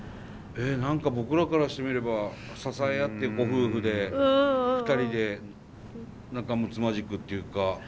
えっ何か僕らからしてみれば支え合ってご夫婦で２人で仲むつまじくっていうか。